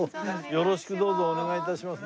よろしくどうぞお願い致します。